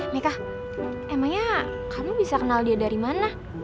mika emangnya kamu bisa kenal dia dari mana